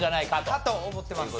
かと思ってます。